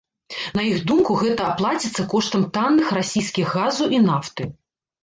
На іх думку, гэта аплаціцца коштам танных расійскіх газу і нафты.